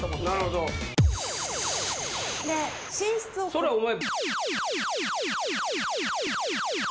それはお前。